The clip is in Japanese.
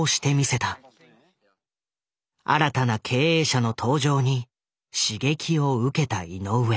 新たな経営者の登場に刺激を受けた井上。